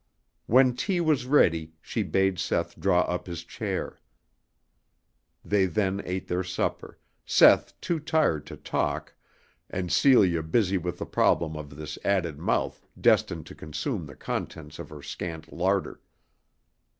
When tea was ready she bade Seth draw up his chair. They then ate their supper, Seth too tired to talk and Celia busy with the problem of this added mouth destined to consume the contents of her scant larder.